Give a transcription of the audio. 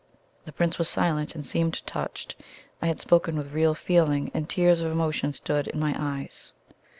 The Prince was silent, and seemed touched. I had spoken with real feeling, and tears of emotion stood in my eyes.